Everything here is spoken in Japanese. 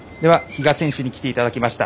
比嘉選手に来ていただきました。